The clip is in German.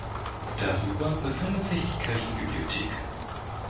Darüber befindet sich die Kirchenbibliothek.